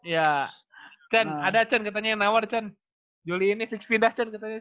ya ken ada ken katanya yang nawar juli ini fix pindah